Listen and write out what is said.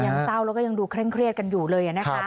ยังเศร้าและยังดูเคร่งเครียดกันอยู่เลยอะ